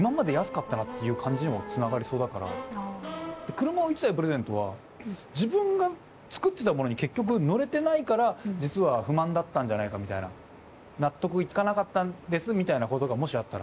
で車を１台プレゼントは自分が造ってたものに結局乗れてないから実は不満だったんじゃないかみたいな。納得いかなかったんですみたいなことがもしあったら。